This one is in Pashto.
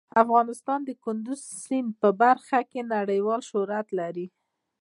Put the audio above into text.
افغانستان د کندز سیند په برخه کې نړیوال شهرت لري.